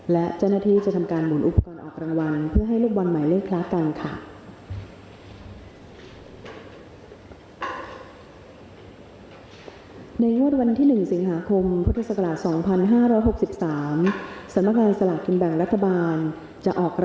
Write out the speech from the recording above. และเจ้าหน้าที่จะทำการหมุนอุปกรณ์ออกรางวัลเพื่อให้ลูกบอลหมายเลขพระกันค่ะ